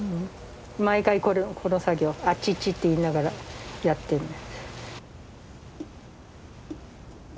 毎回この作業あっちっちって言いながらやってるの。